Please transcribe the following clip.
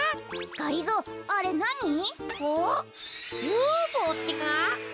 ＵＦＯってか？